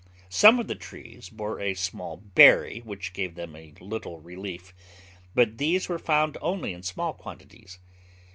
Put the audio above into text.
Some of the trees bore a small berry which gave them a little relief, but these they found only in small quantities.